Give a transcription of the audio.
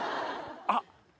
あっ！